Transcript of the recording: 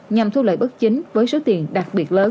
nhằm thu lợi bất chính với số tiền đặc biệt lớn